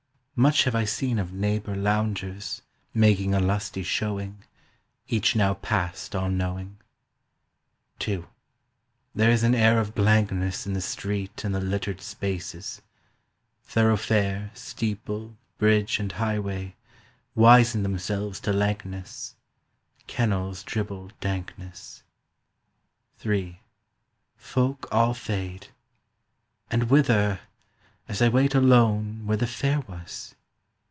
... Much have I seen of neighbour loungers Making a lusty showing, Each now past all knowing. II There is an air of blankness In the street and the littered spaces; Thoroughfare, steeple, bridge and highway Wizen themselves to lankness; Kennels dribble dankness. III Folk all fade. And whither, As I wait alone where the fair was?